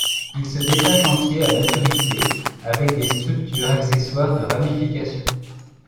Ils se détachent entiers à maturité, avec des structures accessoires de ramification.